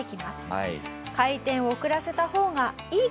開店を遅らせた方がいいか。